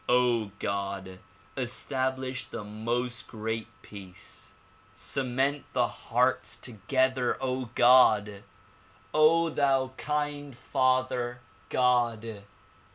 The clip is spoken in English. God! establish the "Most Great Peace." Cement the hearts together, God! thou kind father, God!